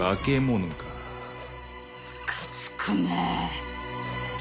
むかつくね！